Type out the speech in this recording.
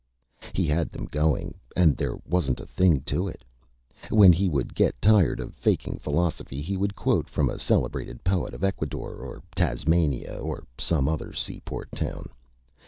He had them Going, and there wasn't a Thing to it. When he would get tired of faking Philosophy he would quote from a Celebrated Poet of Ecuador or Tasmania or some other Seaport Town.